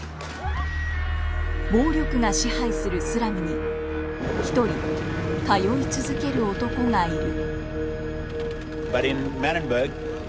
暴力が支配するスラムに一人通い続ける男がいる。